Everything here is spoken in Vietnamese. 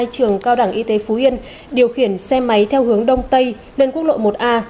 trường cao đẳng y tế phú yên điều khiển xe máy theo hướng đông tây lên quốc lộ một a